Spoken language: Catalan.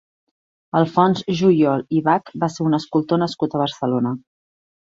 Alfons Juyol i Bach va ser un escultor nascut a Barcelona.